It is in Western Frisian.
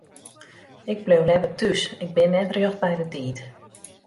Ik bliuw leaver thús, ik bin net rjocht by de tiid.